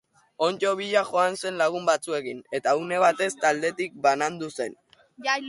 Onddo bila joan zen lagun batzuekin, eta une batez taldetik banandu zen.